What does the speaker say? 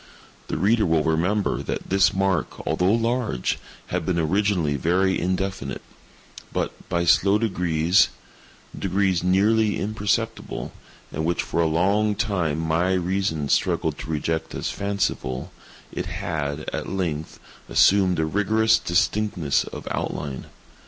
The reader will remember that this mark, although large, had been originally very indefinite; but, by slow degrees—degrees nearly imperceptible, and which for a long time my reason struggled to reject as fanciful—it had, at length, assumed a rigorous distinctness of outline.